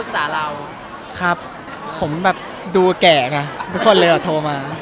จริงแล้วเก้าไม่ใช่สติ๊คเรายังเพิ่งหรือครับ